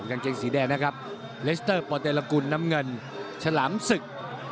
กางเกงสีแดงนะครับเลสเตอร์ปอเตรกุลน้ำเงินฉลามศึก